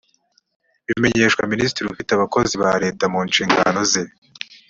bimenyeshwa minisitiri ufite abakozi ba leta mu nshingano ze